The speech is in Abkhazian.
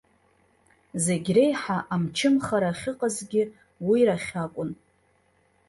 Зегь реиҳа амчымхара ахьыҟазгьы уирахь акәын.